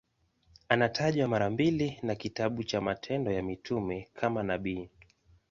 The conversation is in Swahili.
Anatajwa mara mbili na kitabu cha Matendo ya Mitume kama nabii.